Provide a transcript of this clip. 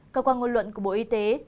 cơ quan ngôn luận của bộ y tế